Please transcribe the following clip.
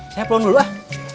saya pulang dulu ah